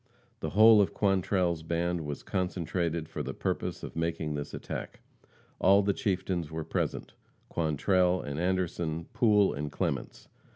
The whole of Quantrell's band was concentrated for the purpose of making this attack. All the chieftains were present, Quantrell and Anderson, Poole and Clements.